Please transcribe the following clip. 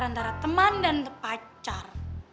antara teman dan pacar